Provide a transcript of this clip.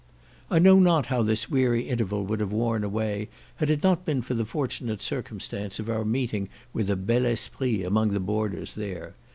I know not how this weary interval would have worn away, had it not been for the fortunate circumstance of our meeting with a bel esprit among the boarders there.